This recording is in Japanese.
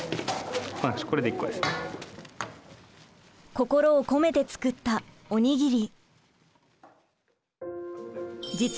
心を込めて作ったおにぎり。